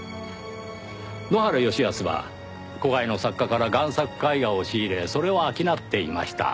埜原義恭は子飼いの作家から贋作絵画を仕入れそれを商っていました。